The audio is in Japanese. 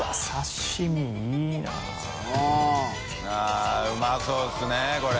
繊あうまそうですねこれ。